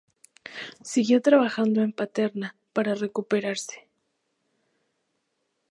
Siguió trabajando en Paterna para recuperarse.